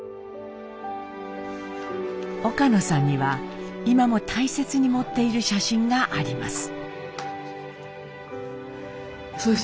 岡野さんには今も大切に持っている写真があります。